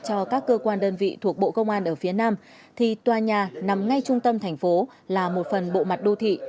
cho các cơ quan đơn vị thuộc bộ công an ở phía nam thì tòa nhà nằm ngay trung tâm thành phố là một phần bộ mặt đô thị